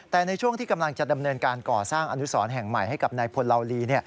แต่ในช่วงที่กำลังจะดำเนินการก่อสร้างอนุสรแห่งใหม่ให้กับนายพลเหลาลี